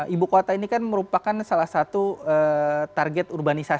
ibu kota ini kan merupakan salah satu target urbanisasi